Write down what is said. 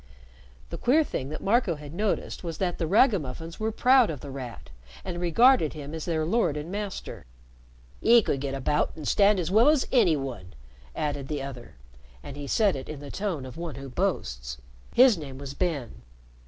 The queer thing that Marco had noticed was that the ragamuffins were proud of The Rat, and regarded him as their lord and master. " 'E could get about an' stand as well as any one," added the other, and he said it in the tone of one who boasts. His name was Ben.